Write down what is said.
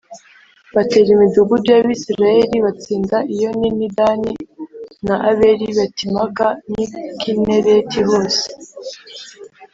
batera imidugudu y’Abisirayeli batsinda Iyoni n’i Dani na Abeli Betimāka n’i Kinereti hose